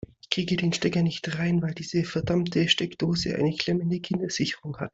Ich kriege den Stecker nicht rein, weil diese verdammte Steckdose eine klemmende Kindersicherung hat.